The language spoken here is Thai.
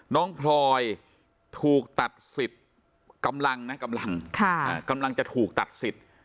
พลอยถูกตัดสิทธิ์กำลังนะกำลังกำลังจะถูกตัดสิทธิ์